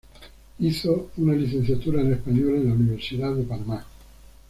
Hizo una licenciatura en español en la Universidad de Panamá.